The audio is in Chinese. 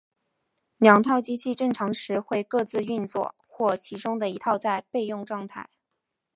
两套机器正常时会各自运作或其中一套在备用状态。